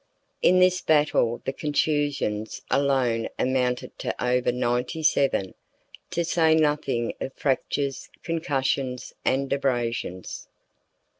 In this battle the contusions alone amounted to over ninety seven, to say nothing of fractures, concussions, and abrasions.